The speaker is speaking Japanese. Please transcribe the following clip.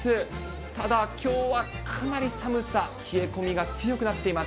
ただきょうは、かなり寒さ、冷え込みが強くなっています。